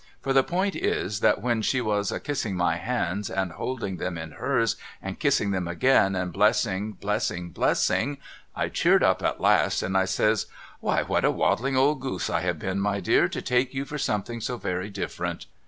For the point is that when she was a kissing my hands and holding them in hers and kissing them again and blessing blessing blessing, I cheered up at last and I says ' Why what a waddling old goose I have been my dear to take you for something so very different!'